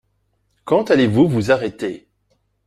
Quand allez-vous vous arrêter?